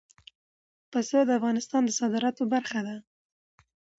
پسه د افغانستان د صادراتو برخه ده.